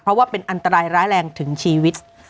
เพราะว่าเป็นอันตรายร้ายแรงถึงชีวิต